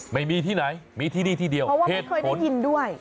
ไม่มีที่ไหนมีที่นี่ที่เดียวเพราะว่าไม่เคยได้ยินด้วย